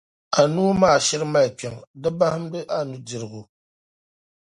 a nuu maa shiri mali kpiɔŋ, di bamdi a nudirigu.